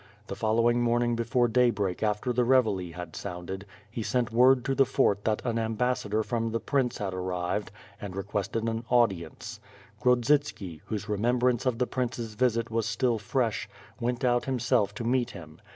The following morning before daybreak after the reveille had sounded, he sent word to the fort that an ambassador from the prince had arrived and requested an 114 WITH FIRE AND SWORD. audience. Grodzitski, whose remembrance of the prince's visit was still fresh, went out himself to meet him.